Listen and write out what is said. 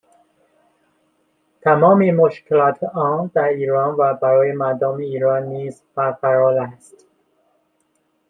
تمامی مشکلات آن، در ایران و برای مردم ایران نیز برقرار است